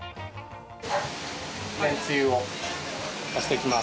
めんつゆを足していきます。